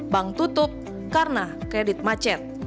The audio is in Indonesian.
bank tutup karena kredit macet